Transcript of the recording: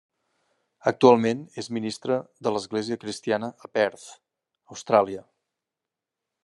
Actualment és ministre de l'Església Cristina a Perth, Austràlia.